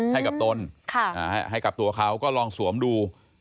ตนให้กับตัวเขาก็ลองสวมดู